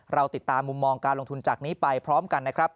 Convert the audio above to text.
เราติดตามมุมมองการลงทุนจากนี้ไปพร้อมกันนะครับ